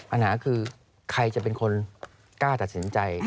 ปัญหาคือใครจะเป็นคนกล้าตัดสินใจ